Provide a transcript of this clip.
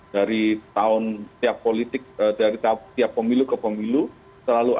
dari tahun setiap politik dari setiap pemilu ke pemilu selalu ada